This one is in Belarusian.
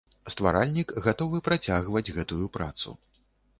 Стваральнік гатовы працягваць гэтую працу.